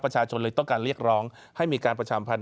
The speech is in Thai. ประชาชนเลยต้องการเรียกร้องให้มีการประชามพันธ